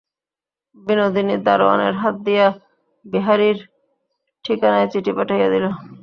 বিনোদিনী দরোয়ানের হাত দিয়া বিহারীর ঠিকানায় চিঠি পাঠাইয়া দিল।